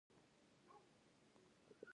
ایا پوهیږئ چې مینه غوره درمل ده؟